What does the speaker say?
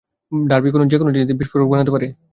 Derby যেকোনো তিনটি জিনিস দিয়ে বিস্ফোরক বানাতে পারে।